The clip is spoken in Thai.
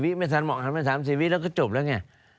๓๔วิแม่ธานหมอกหันไป๓๔วิแล้วก็จบแล้วไง